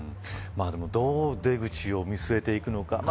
どう出口を見据えていくのか。